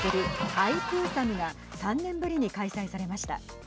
タイプーサムが３年ぶりに開催されました。